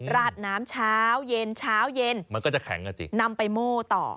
ราดน้ำเช้าเย็นเช้าเย็นมันก็จะแข็งอ่ะสินำไปโม่ต่อ